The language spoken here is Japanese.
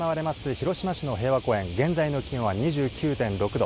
広島市の平和公園、現在の気温は２９．６度。